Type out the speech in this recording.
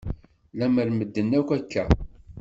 Lemmer medden akk akka.